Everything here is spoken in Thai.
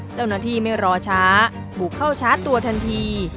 เจ้าหน้าที่ไม่รอช้าบุกเข้าชาร์จตัวทันที